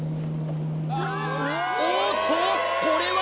おっとこれは！？